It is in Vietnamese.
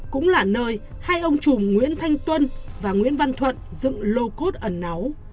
cũng là nơi hai ông chùm nguyễn thanh tuân và nguyễn văn thuận dựng lô cốt ẩn náu